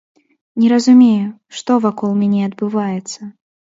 Не разумею, што вакол мяне адбываецца.